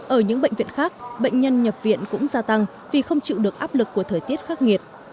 ở những bệnh viện khác bệnh nhân nhập viện cũng gia tăng vì không chịu được áp lực của thời tiết khắc nghiệt